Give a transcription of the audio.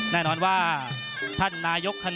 นักมวยจอมคำหวังเว่เลยนะครับ